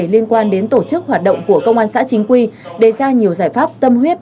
liên quan đến tổ chức hoạt động của công an xã chính quy đề ra nhiều giải pháp tâm huyết